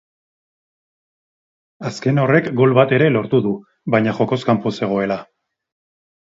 Azken horrek gol bat ere lortu du, baina jokoz kanpo zegoela.